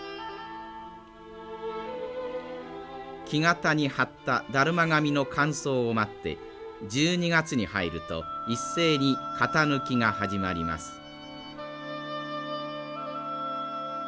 木型に張っただるま紙の乾燥を待って１２月に入ると一斉に型抜きが始まります。